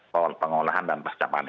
paham dan memaham